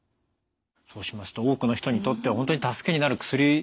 そうしますと多くの人にとっては本当に助けになる薬ですね。